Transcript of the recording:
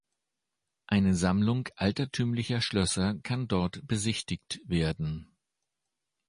Eine Sammlung altertümlicher Schlösser kann dort besichtigt werden.